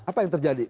apa yang terjadi